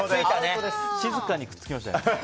静かにくっつきましたね。